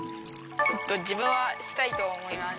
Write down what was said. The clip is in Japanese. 自分はしたいと思います。